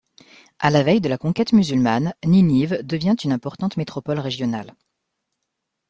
À la veille de la conquête musulmane, Ninive devient une importante métropole régionale.